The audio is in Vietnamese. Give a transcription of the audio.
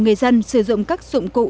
người dân sử dụng các dụng cụ